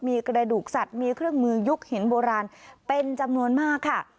มีกระดูกสัตว์มีเครื่องมือยุคหินโบราณเป็นจำนวนมากค่ะ